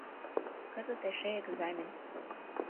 Кызыт эше экзамен.